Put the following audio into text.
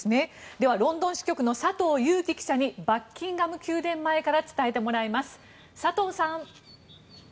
ではロンドン支局の佐藤裕樹記者にバッキンガム宮殿前から伝えてもらいます。